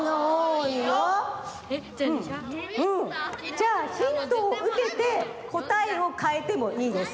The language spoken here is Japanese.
じゃあヒントをうけてこたえをかえてもいいです。